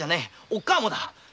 おっかぁもだ。